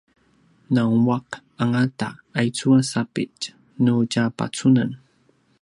nanguaq angata aicu a sapitj nu tja pacunen